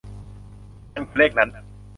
มันคือเลขนั้น